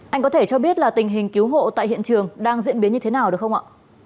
anh có thể cho biết là tình hình cứu hộ tại hiện trường đang diễn biến như thế nào được không ạ